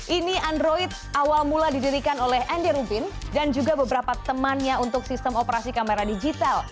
ini android awal mula didirikan oleh andy rubin dan juga beberapa temannya untuk sistem operasi kamera digital